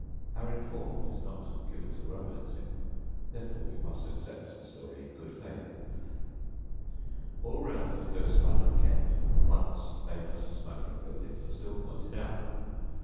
Our informant is not given to romancing, therefore we must accept the story in good faith. All round the coast line of Kent once famous smuggling buildings are still pointed out.